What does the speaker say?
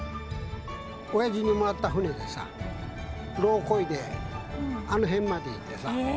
おやじにもらった船でさ、ろを漕いで、あの辺まで行ってさ。